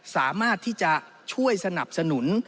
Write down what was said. สามารถที่จะช่วยสนับสนุน